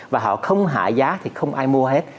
và họ không hạ giá thì không ai mua hết